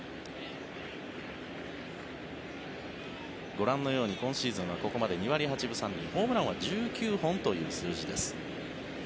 ご覧のように今シーズンはここまで２割８分３厘ホームランは１９本という数字です。